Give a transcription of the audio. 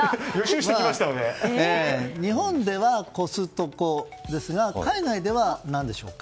日本ではコストコですが海外では何でしょうか。